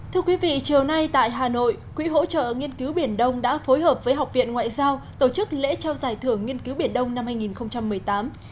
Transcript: thưa quý vị chiều nay tại hà nội quỹ hỗ trợ nghiên cứu biển đông đã phối hợp với học viện ngoại giao tổ chức lễ trao giải thưởng nghiên cứu biển đông năm hai nghìn một mươi tám